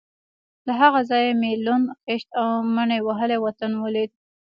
له هغه ځایه مې لوند، خېشت او مني وهلی وطن ولید.